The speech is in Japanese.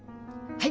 はい！